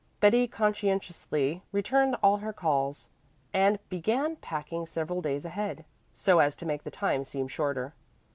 Betty conscientiously returned all her calls and began packing several days ahead, so as to make the time seem shorter.